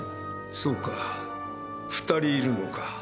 そうか２人いるのか。